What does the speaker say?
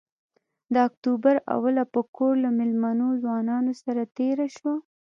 د اکتوبر اوله په کور له مېلمنو ځوانانو سره تېره شوه.